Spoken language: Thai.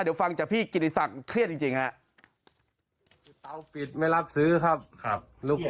เดี๋ยวฟังจากพี่กิตติศักดิ์เครียดจริงจริงฮะตาวปิดไม่รับซื้อครับครับ